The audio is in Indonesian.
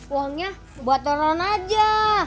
uangnya buat orang aja